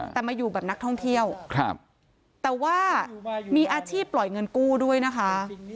แต่มาอยู่แบบนักท่องเที่ยวแต่ว่ามีอาชีพปล่อยเงินกู้ด้วยนะคะ